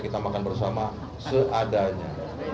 kita makan bersama seadanya